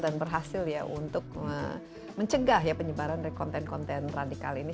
dan berhasil ya untuk mencegah penyebaran dari konten konten radikal ini